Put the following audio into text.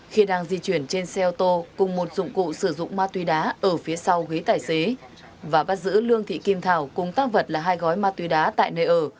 khi đang di chuyển trên xe ô tô cùng một dụng cụ sử dụng ma túy đá ở phía sau ghế tài xế và bắt giữ lương thị kim thảo cùng tăng vật là hai gói ma túy đá tại nơi ở